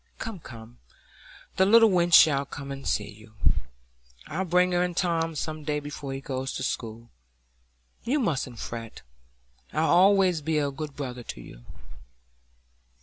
"Come, come!—the little wench shall come and see you. I'll bring her and Tom some day before he goes to school. You mustn't fret. I'll allays be a good brother to you."